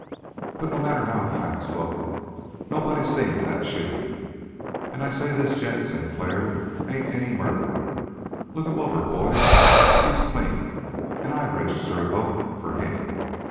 But no matter how facts look, nobody seen that shooting. And I say this gent Sinclair ain't any murderer. Look him over, boys. He's clean, and I register a vote for him.